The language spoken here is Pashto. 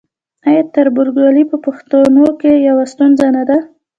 آیا تربورګلوي په پښتنو کې یوه ستونزه نه ده؟